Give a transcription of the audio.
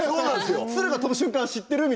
「鶴が飛ぶ瞬間知ってる？」